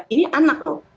ini anak loh